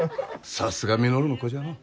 さすが稔の子じゃのう。